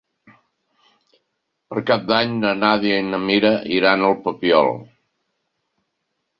Per Cap d'Any na Nàdia i na Mira iran al Papiol.